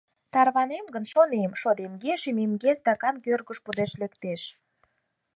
Тарванем гын, шонем, шодемге-шӱмемге стакан кӧргыш пудешт лектеш.